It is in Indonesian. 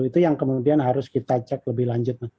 itu yang kemudian harus kita cek lebih lanjut